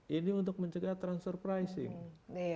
ini untuk mencegah transfer pricing